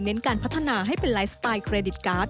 การพัฒนาให้เป็นไลฟ์สไตล์เครดิตการ์ด